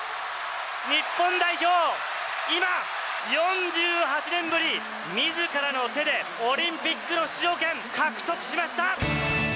日本代表、今、４８年ぶり、みずからの手でオリンピックの出場権、獲得しました！